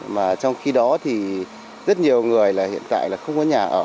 mà trong khi đó thì rất nhiều người là hiện tại là không có nhà ở